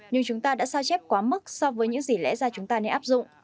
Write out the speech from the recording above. nhưng chúng ta đã sao chép quá mức so với những gì lẽ ra chúng ta nên áp dụng